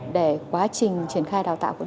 để quá trình đào tạo